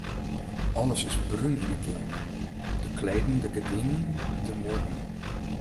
Alles is brún yn 'e keamer: de kleden, de gerdinen, de muorren.